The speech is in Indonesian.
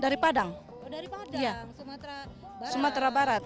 dari padang sumatera barat